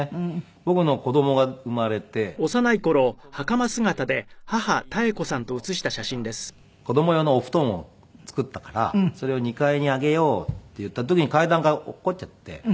僕の子供が生まれてで実家に泊まりにくる時用の子供用のお布団を作ったからそれを２階に上げようっていった時に階段から落っこちちゃって。